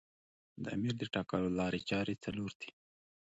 د امیر د ټاکلو لاري چاري څلور دي.